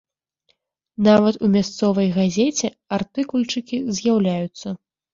Нават у мясцовай газеце артыкульчыкі з'яўляюцца.